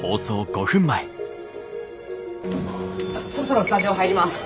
そろそろスタジオ入ります。